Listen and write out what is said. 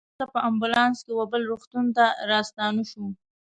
لږ شېبه وروسته په امبولانس کې وه بل روغتون ته راستانه شوو.